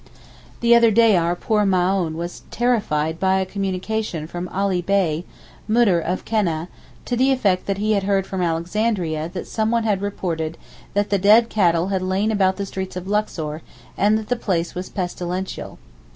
The other day our poor Maōhn was terrified by a communication from Ali Bey (Moudir of Keneh) to the effect that he had heard from Alexandria that someone had reported that the dead cattle had lain about the streets of Luxor and that the place was pestilential.